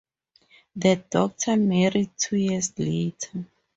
The daughter married two years later.